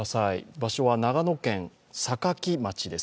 場所は長野県坂城町です。